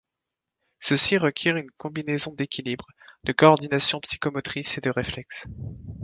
Ceci requiert une combinaison d'équilibre, de coordination psychomotrice et de réflexes.